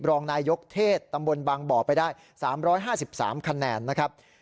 รองนายยกเทศตำบลบางบ่อไปได้๓๕๓คะแนนนะครับ